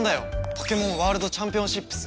ポケモンワールドチャンピオンシップス！